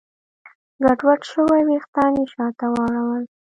ګډوډ شوي وېښتان يې شاته واړول.